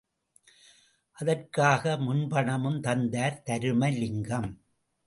அதற்காக முன்பணமும் தந்தார் தருமலிங்கம்.